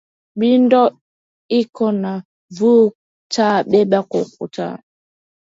Bidon iko na vuya ta beba kumukono